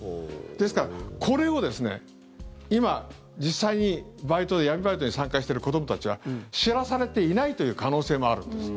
ですから、これを今実際に闇バイトに参加している子どもたちは知らされていないという可能性もあるんです。